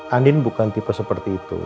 andin bukan tipe seperti itu